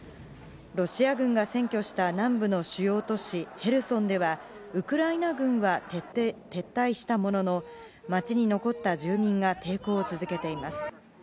ロシア軍が占拠した南部の主要都市ヘルソンではウクライナ軍は撤退したものの街に残った住民が抵抗を続けています。